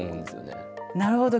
なるほど。